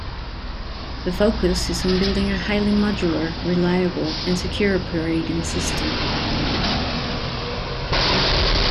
The focus is on building a highly modular, reliable, and secure, operating system.